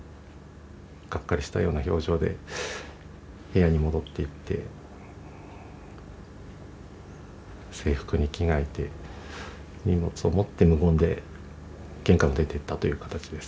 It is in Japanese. がっかりしたような表情で部屋に戻っていって制服に着替えて荷物を持って無言で玄関を出ていったという形です。